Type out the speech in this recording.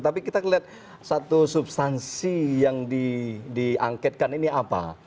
tapi kita lihat satu substansi yang diangketkan ini apa